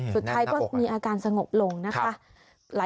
สุดท้ายก็มีอาการสงบลงนะคะ